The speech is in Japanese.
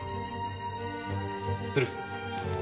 鶴。